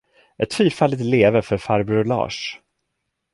Ett fyrfaldigt leve för farbror Lars!